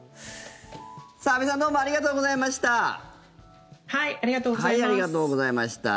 安部さんどうもありがとうございました。